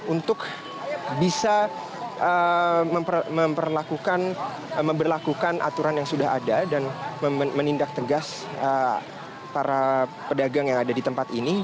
untuk bisa memperlakukan aturan yang sudah ada dan menindak tegas para pedagang yang ada di tempat ini